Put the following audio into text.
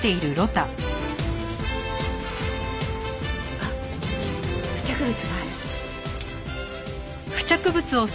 あっ付着物がある。